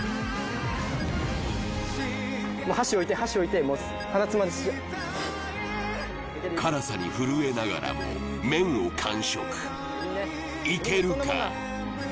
箸置いて箸置いてもう鼻つまんで吸え辛さに震えながらも麺を完食いけるか？